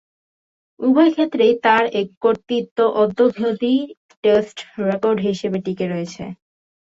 উভয়ক্ষেত্রেই তার এ কৃতিত্ব অদ্যাবধি টেস্ট রেকর্ড হিসেবে টিকে রয়েছে।